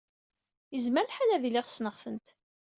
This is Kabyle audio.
Yezmer lḥal ad iliɣ ssneɣ-tent.